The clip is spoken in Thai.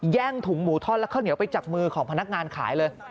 ถุงหมูทอดและข้าวเหนียวไปจากมือของพนักงานขายเลย